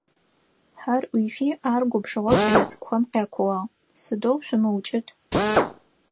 Хьэр ӏуифи, ар губжыгъэу кӏэлэцӏыкӏухэм къякууагъ: Сыдэу шъумыукӏытӏ.